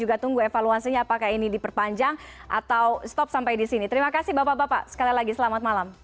gitu menurut saya